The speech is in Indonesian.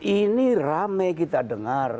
ini rame kita dengar